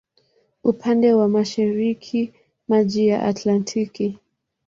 Upande wa mashariki maji ya Atlantiki.